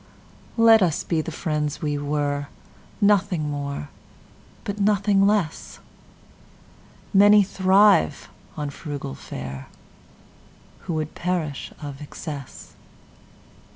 Let us be the friends we were, Nothing more but nothing less:Many thrive on frugal fareWho would perish of excess.